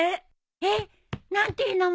えっ何ていう名前？